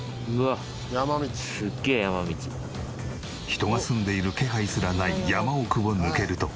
人が住んでいる気配すらない山奥を抜けると。